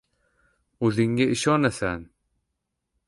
Oʻzingga ishonasan.